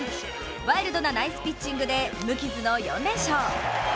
ワイルドなナイスピッチングで無傷の４連勝。